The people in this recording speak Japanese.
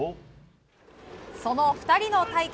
その２人の対決